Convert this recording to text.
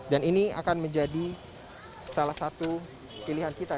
dan ini akan menjadi salah satu pilihan kita